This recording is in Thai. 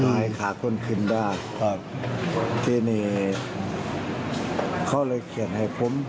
กลายขาข้นขึ้นได้ที่นี่เขาเลยเขียนให้ผม